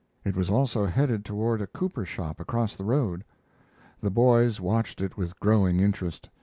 It was also headed toward a cooper shop across the road. The boys watched it with growing interest.